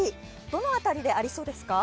どの辺りでありそうですか？